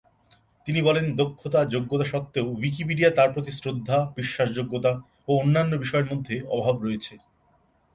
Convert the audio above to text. তিনি বলেন, দক্ষতা, যোগ্যতা সত্ত্বেও, উইকিপিডিয়ার তার প্রতি শ্রদ্ধা বিশ্বাসযোগ্যতা ও অন্যান্য বিষয়ের মধ্যে অভাব রয়েছে।